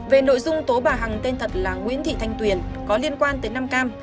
về nội dung tố bà hằng tên thật là nguyễn thị thanh tuyền có liên quan tới nam cam